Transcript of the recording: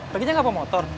perginya gak bawa motor